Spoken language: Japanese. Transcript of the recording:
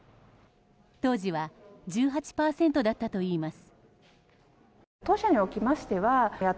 当時は１８％だったといいます。